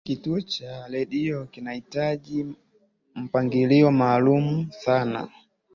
Kila kituo cha redio kinahitaji mipangilio maalumu sana